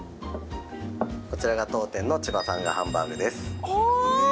こちらが当店の千葉さんがハンバーグです。